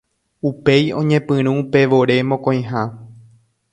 Upéi oñepyrũ pe vore mokõiha.